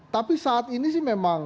tapi saat ini sih memang